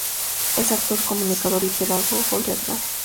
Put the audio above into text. Es actor, comunicador y pedagogo teatral.